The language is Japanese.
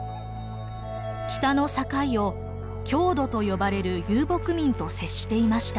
北の境を匈奴と呼ばれる遊牧民と接していました。